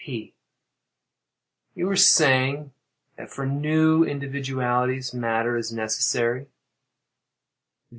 P. You were saying that "for new individualities matter is necessary."